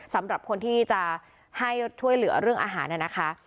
สำหรับคนที่จะให้ช่วยเหลือเรื่องอาหารนะคะ